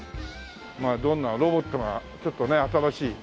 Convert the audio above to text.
まあどんなロボットがちょっとね新しい。